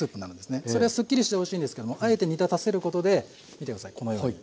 それはすっきりしておいしいんですけどもあえて煮立たせることで見て下さいこのように。